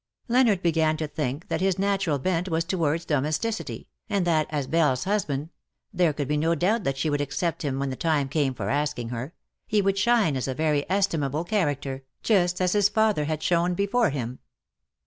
Leonard began to think that his natural bent Avas towards domesticity, and that, as Beliefs husband — there could be no doubt that she would accept him when the time came for asking her — he would shine as a very estimable character, just as his father had shone before him.